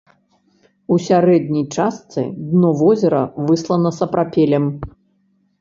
У сярэдняй частцы дно возера выслана сапрапелем.